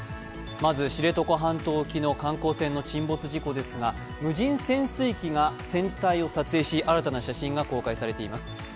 まず知床半島沖の観光船の沈没事故ですが、無人潜水機が船体を撮影し新たな写真が公開されています。